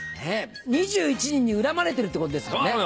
２１人に恨まれてるってことですもんね。